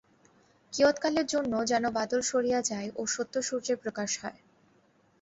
কিয়ৎকালের জন্য যেন বাদল সরিয়া যায় ও সত্যসূর্যের প্রকাশ হয়।